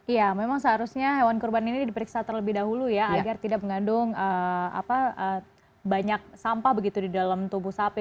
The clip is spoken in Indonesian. ya memang seharusnya hewan kurban ini diperiksa terlebih dahulu ya agar tidak mengandung banyak sampah begitu di dalam tubuh sapi